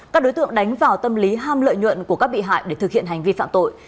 các đối tượng đánh vào tâm lý ham lợi nhuận của các bị hại để thực hiện hành vi phạm tội